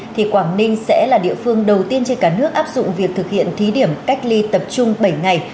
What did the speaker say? thì quảng ninh sẽ là địa phương đầu tiên trên cả nước áp dụng việc thực hiện thí điểm cách ly tập trung bảy ngày